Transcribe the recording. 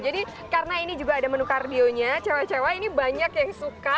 jadi karena ini juga ada menu kardionya cewek cewek ini banyak yang suka